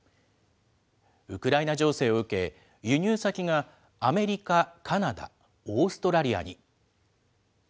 ウクライナ情勢を受け、輸入先がアメリカ、カナダ、オーストラリアに。